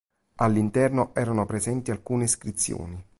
All'interno erano presenti alcune iscrizioni.